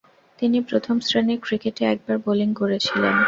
তিনি প্রথম শ্রেণির ক্রিকেটে একবার বোলিং করেছিলেন।